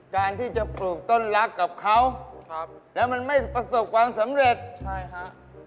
การที่จะปลูกต้นรักกับเขาครับแล้วมันไม่ประสบความสำเร็จใช่ฮะ